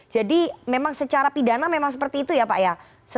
jadi memang secara pidana memang seperti itu ya pak ya